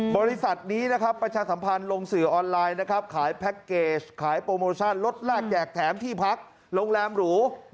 บริษัทนี้นะครับประชาสัมพันธ์ลงสื่อออนไลน์นะครับขายแพ็คเกจขายโปรโมชั่นรถลากแจกแถมที่พักโรงแรมหรู